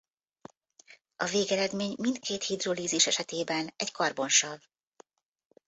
A végeredmény mindkét hidrolízis esetében egy karbonsav.